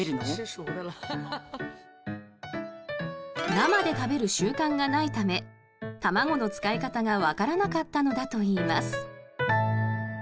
生で食べる習慣がないため卵の使い方がわからなかったのだといいます。